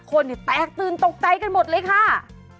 คนแตกตื่นตกใจกันหมดเลยค่ะ